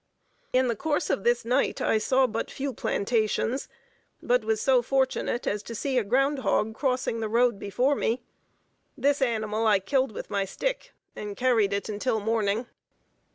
In the course of this night I saw but few plantations, but was so fortunate as to see a ground hog crossing the road before me. This animal I killed with my stick, and carried it until morning.